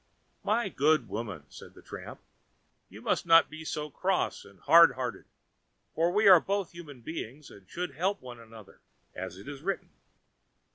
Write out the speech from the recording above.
"My good woman," said the tramp, "you must not be so cross and hard hearted, for we are both human beings, and should help one another, as it is written."